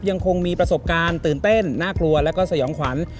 ยังคงมีประสบการณ์ตื่นเต้นน่ากลัวแล้วก็สยองขวัญ